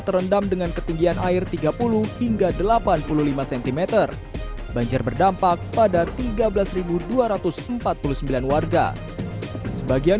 terendam dengan ketinggian air tiga puluh hingga delapan puluh lima cm banjir berdampak pada tiga belas dua ratus empat puluh sembilan warga sebagian